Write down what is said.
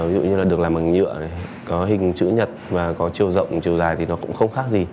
ví dụ như là được làm bằng nhựa có hình chữ nhật và có chiều rộng chiều dài thì nó cũng không khác gì